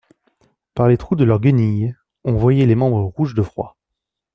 Par les trous de leurs guenilles, on voyait leurs membres rouges de froid.